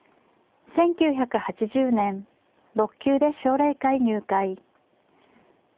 １９８０年６級で奨励会入会。